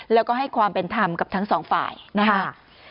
แล้วก็ให้ความเป็นธรรมกับทั้งสองฝ่ายนะครับ